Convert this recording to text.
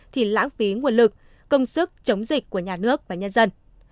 thì lãng phí nguồn lực công sức chống dịch của nhà nước và nhân dân